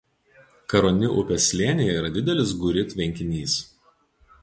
Karoni upės slėnyje yra didelis Guri tvenkinys.